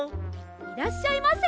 いらっしゃいませ。